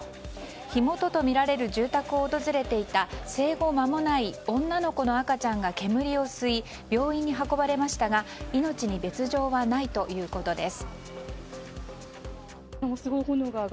火元とみられる住宅を訪れていた生後間もない女の子の赤ちゃんが煙を吸い病院に運ばれましたが命に別条はないということです。